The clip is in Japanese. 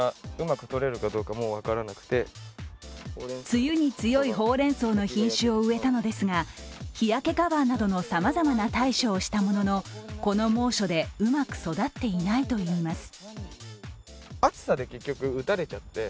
梅雨に強いほうれん草の品種を植えたのですが、日焼けカバーなどのさまざまな対処をしたもののこの猛暑でうまく育っていないといいます。